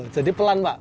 jadi pelan pak